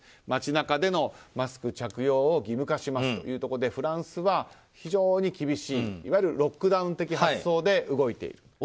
街中でのマスク着用を義務化しますということでフランスは非常に厳しいいわゆるロックダウン的発想で動いていると。